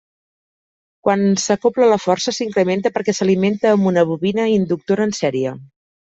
Quan s'acobla la força s'incrementa perquè s'alimenta amb una bobina inductora en sèrie.